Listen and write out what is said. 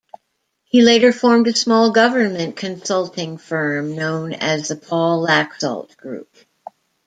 He later formed a small government consulting firm known as The Paul Laxalt Group.